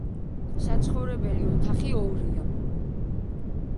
საცხოვრებელი ოთახი ორია.